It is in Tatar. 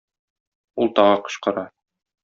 Ул тагы кычкыра.